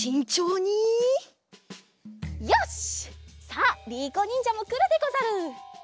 さありいこにんじゃもくるでござる！